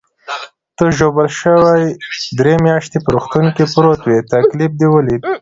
ته ژوبل شوې، درې میاشتې په روغتون کې پروت وې، تکلیف دې ولید.